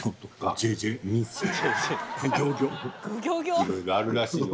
いろいろあるらしいよ。